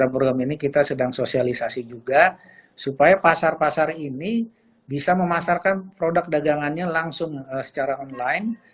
karena program ini kita sedang sosialisasi juga supaya pasar pasar ini bisa memasarkan produk dagangannya langsung secara online